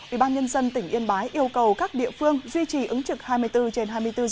ủy ban nhân dân tỉnh yên bái yêu cầu các địa phương duy trì ứng trực hai mươi bốn trên hai mươi bốn h